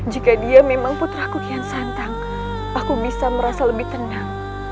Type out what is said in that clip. jika dia memang putraku kian santang aku bisa merasa lebih tenang